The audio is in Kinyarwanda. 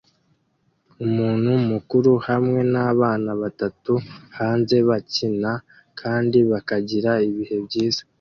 Umuntu mukuru hamwe nabana batatu hanze bakina kandi bakagira ibihe byiza